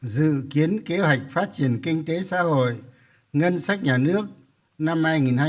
dự kiến kế hoạch phát triển kinh tế xã hội ngân sách nhà nước năm hai nghìn hai mươi